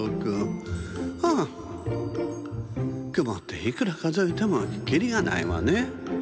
くもっていくらかぞえてもきりがないわね。